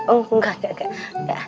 oh gak gak gak